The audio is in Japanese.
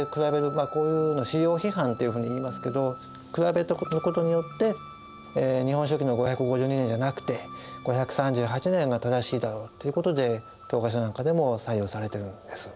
こういうのを史料批判っていうふうにいいますけど比べたことによって「日本書紀」の５５２年じゃなくて５３８年が正しいだろうということで教科書なんかでも採用されてるんです。